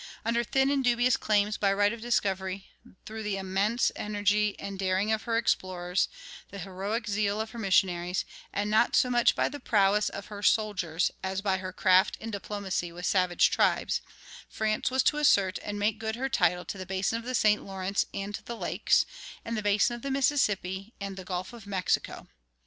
Under thin and dubious claims by right of discovery, through the immense energy and daring of her explorers, the heroic zeal of her missionaries, and not so much by the prowess of her soldiers as by her craft in diplomacy with savage tribes, France was to assert and make good her title to the basin of the St. Lawrence and the lakes, and the basin of the Mississippi and the Gulf of Mexico.